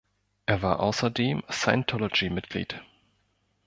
Er war außerdem Scientology-Mitglied.